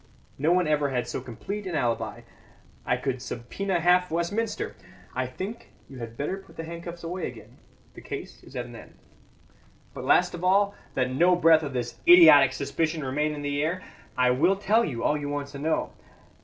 No one ever had so complete an alibi; I could subpoena half Westminster. I think you had better put the handcuffs away again. The case is at an end. "But last of all, that no breath of this idiotic suspicion remain in the air, I will tell you all you want to know.